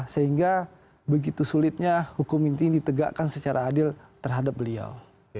sehingga begitu sulitnya hukum ini ditegakkan secara adil terhadap beliau